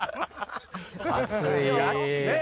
暑い！ねぇ！